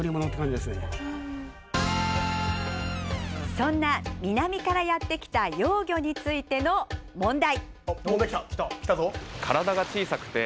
そんな南からやって来た幼魚についての問題！